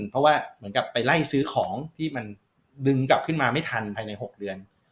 เพราะว่าเหมือนกับไปไล่ซื้อของที่มันดึงกลับขึ้นมาไม่ทันภายใน๖เดือน